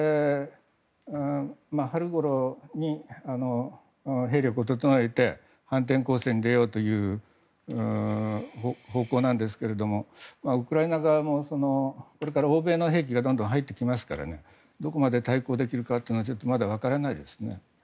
春ごろに兵力を整えて反転攻勢に出ようという方向ですがウクライナ側もこれから欧米の兵器がどんどん入ってきますからどこまで対抗できるかはまだわからないですね。